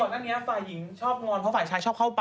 อันนี้ฝ่ายหญิงชอบงอนเพราะฝ่ายชายชอบเข้าป่า